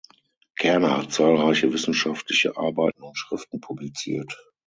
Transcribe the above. Kerner hat zahlreiche wissenschaftliche Arbeiten und Schriften publiziert.